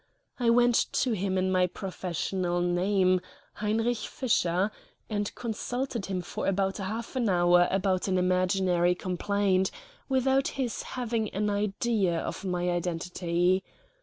I went to him in my professional name, Heinrich Fischer, and consulted him for about half an hour about an imaginary complaint, without his having an idea of my identity.